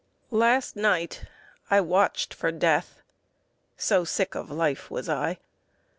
Last night I watched for Death So sick of life was I!